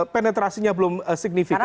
penetrasinya belum signifikan